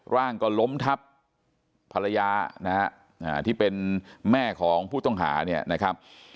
ร่างก็ล้มทับภรรยานะฮะที่เป็นแม่ของผู้ต้องหาเนี่ยนะครับ